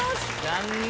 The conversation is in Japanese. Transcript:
残念！